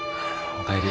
お帰り。